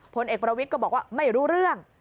ผลเอกประวิทย์ก็บอกว่าไม่รู้เรื่อง